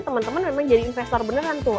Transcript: teman teman memang jadi investor beneran tuh